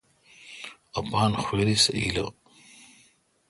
اپان خوِری سہ ایلہ۔